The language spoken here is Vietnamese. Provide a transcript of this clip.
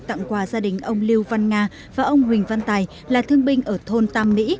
tặng quà gia đình ông lưu văn nga và ông huỳnh văn tài là thương binh ở thôn tam mỹ